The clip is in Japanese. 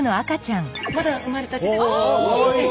まだ生まれたてで。